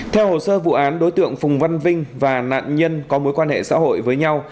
theo hồ sơ vụ án đối tượng phùng văn vinh và nạn nhân có mối quan hệ xã hội với nhau